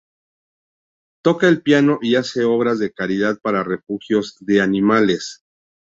Toca el piano y hace obras de caridad para refugios de animales.